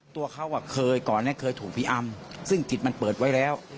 ตัวเขาเคยก่อนเคยถูกพี่อำซึ่งจิตมันเปิดไว้แล้ว